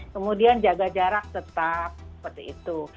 kemudian jaga jarak tetap seperti itu